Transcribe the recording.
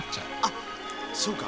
あっそうか。